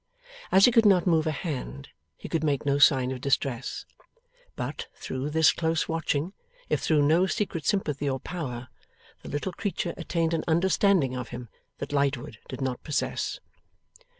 As he could not move a hand, he could make no sign of distress; but, through this close watching (if through no secret sympathy or power) the little creature attained an understanding of him that Lightwood did not possess.